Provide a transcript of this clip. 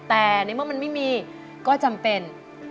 แต่ในเมื่อมันไม่มีก็จำเป็น